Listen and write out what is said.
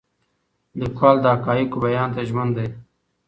لیکوال د حقایقو بیان ته ژمن دی.